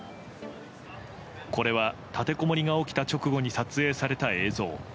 これは立てこもりが起きた直後に撮影された映像。